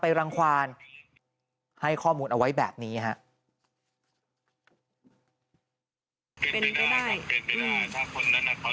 หลังจากพบศพผู้หญิงปริศนาตายตรงนี้ครับ